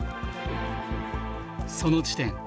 その地点。